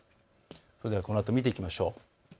それではこのあとを見ていきましょう。